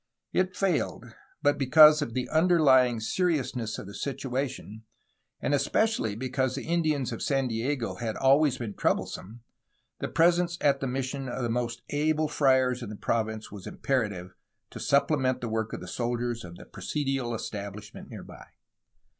It failed, but because of the underlying seriousness of the situation, and especially because the Indians of San Diego had always been troublesome, the presence at the mission of the most able friars in the province was imperative, to supplement the work of the soldiers of the presidial establishment near by.